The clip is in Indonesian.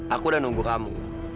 aku udah nunggu kamu